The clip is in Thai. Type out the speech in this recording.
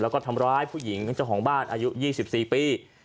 แล้วก็ทำร้ายผู้หญิงเจ้าของบ้านอายุ๒๔ปี